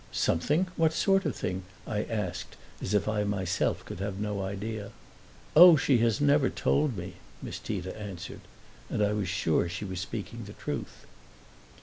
"Something? What sort of thing?" I asked as if I myself could have no idea. "Oh, she has never told me," Miss Tita answered; and I was sure she was speaking the truth.